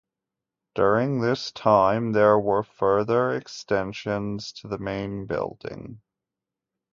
During this time there were further extensions to the main building.